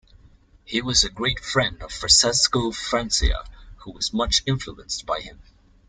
He was a great friend of Francesco Francia, who was much influenced by him.